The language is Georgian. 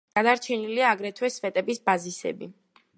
გადარჩენილია აგრეთვე სვეტების ბაზისები.